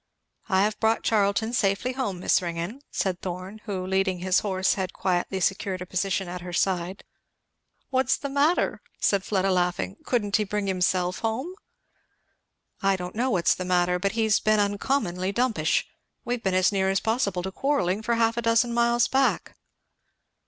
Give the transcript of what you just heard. "I have brought Charlton safe home, Miss Ringgan," said Thorn, who leading his horse had quietly secured a position at her side. "What's the matter?" said Fleda laughing. "Couldn't he bring himself home?" "I don't know what's the matter, but he's been uncommonly dumpish we've been as near as possible to quarrelling for half a dozen miles back."